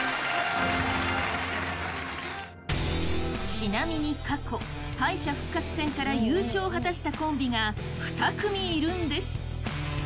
ちなみに過去、敗者復活戦から優勝を果たしたコンビが２組いるんです！